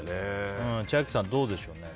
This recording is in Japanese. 千秋さん、どうでしょう。